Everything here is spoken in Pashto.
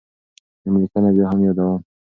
نوملیکنه بیا هم یادوم.